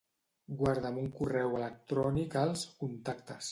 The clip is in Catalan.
Guarda'm un correu electrònic als Contactes.